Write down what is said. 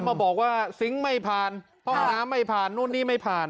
มาบอกว่าซิงค์ไม่ผ่านห้องน้ำไม่ผ่านนู่นนี่ไม่ผ่าน